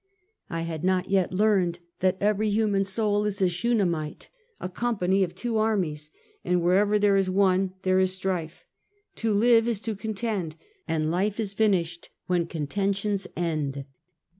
I had not yet learned that every human soul is a Shunamite, " a company of two armies," and wherever there is one, there is strife. To live is to contend, And life is finished when contentions end.